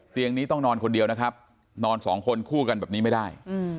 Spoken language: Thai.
เตียงนี้ต้องนอนคนเดียวนะครับนอนสองคนคู่กันแบบนี้ไม่ได้